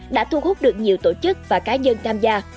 đã thu hút được nhiều tổ chức và cá nhân tham gia